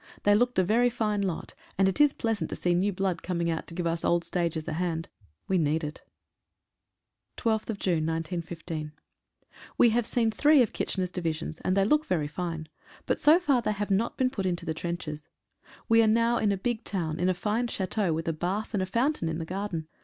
They looked a very fine lot, and it is pleasant to see new blood coming out to give us old stagers a hand — we need it. « a «> 12/6/15. E have seen three of "K's" Divisions, and they look l[lp| very fine. But so far they have not been put into the trenches. We are now in a big town, in a fine chateau, with a bath and a fountain in the garden.